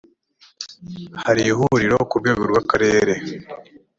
hari ihuriro ku rwego rw’akarere